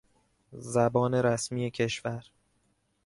زبان رسمی کشور